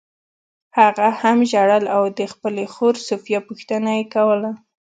هغه هم ژړل او د خپلې خور سوفیا پوښتنه یې کوله